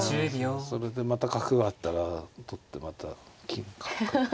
それでまた角があったら取ってまた金か。